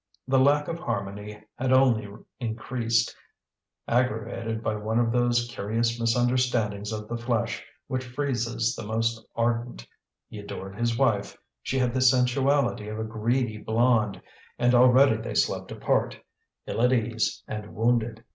The lack of harmony had only increased, aggravated by one of those curious misunderstandings of the flesh which freeze the most ardent; he adored his wife, she had the sensuality of a greedy blonde, and already they slept apart, ill at ease and wounded.